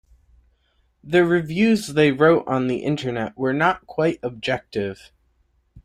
The reviews they wrote on the Internet were not quite objective.